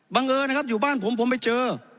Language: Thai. เอิญนะครับอยู่บ้านผมผมไปเจอ